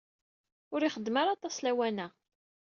Ur ixeddem ara aṭas lawan-a.